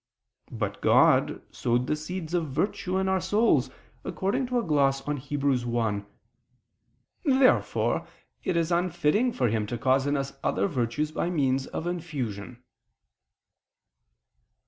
But God sowed the seeds of virtue in our souls, according to a gloss on Heb. 1 [*Cf. Jerome on Gal. 1: 15, 16]. Therefore it is unfitting for Him to cause in us other virtues by means of infusion.